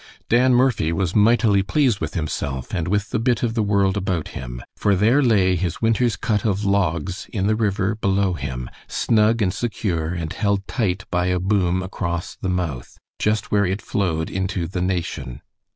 Dan Murphy was mightily pleased with himself and with the bit of the world about him, for there lay his winter's cut of logs in the river below him snug and secure and held tight by a boom across the mouth, just where it flowed into the Nation.